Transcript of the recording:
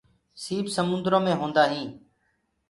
سيپ سموُندرو مي هيندآ هينٚ۔